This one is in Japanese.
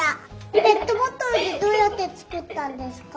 ペットボトルってどうやってつくったんですか？